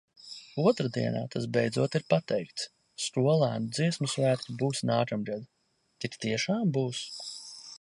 Otrdienā tas beidzot ir pateikts, skolēnu dziesmu svētki būs nākamgad. Tik tiešām būs?